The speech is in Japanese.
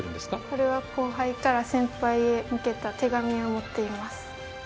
これは後輩から先輩へ向けた手紙をもっています。